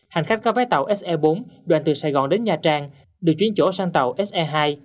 hành khách có vé tàu se bốn đoàn từ sài gòn đến nha trang được chuyển chỗ sang tàu se hai